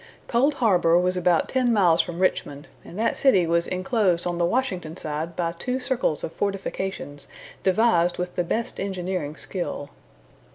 Cold Harbor was about ten miles from Richmond, and that city was inclosed on the Washington side by two circles of fortifications devised with the best engineering skill.